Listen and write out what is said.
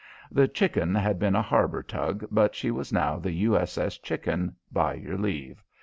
The Chicken had been a harbour tug but she was now the U.S.S. Chicken, by your leave.